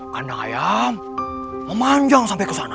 kanang ayam memanjang sampai kesana